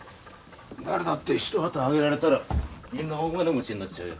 誰だって一旗揚げられたらみんな大金持ちになっちゃうよ。